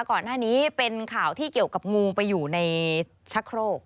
ก่อนหน้านี้เป็นข่าวที่เกี่ยวกับงูไปอยู่ในชะโครก